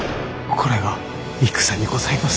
これが戦にございますか？